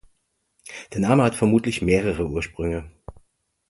Der Name hat vermutlich mehrere Ursprünge.